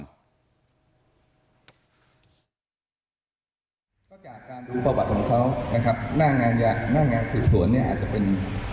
ก็จากการดูประวัติของเขานะครับหน้างานสืบสวนเนี่ยอาจจะเป็น